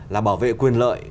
là bảo vệ quyền lợi